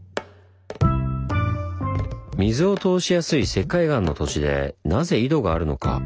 水を通しやすい石灰岩の土地でなぜ井戸があるのか。